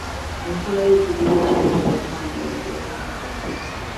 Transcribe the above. Enkula y’ekizibu ekigenda okunoonyerezebwako.